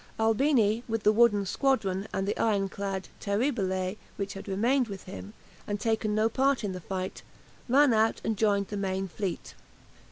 Albini, with the wooden squadron, and the ironclad "Terribile," which had remained with him, and taken no part in the fight, ran out and joined the main fleet.